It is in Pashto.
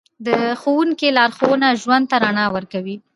د ښوونکي لارښوونه ژوند ته رڼا ورکوي.